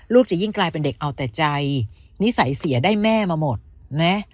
จะยิ่งกลายเป็นเด็กเอาแต่ใจนิสัยเสียได้แม่มาหมดนะ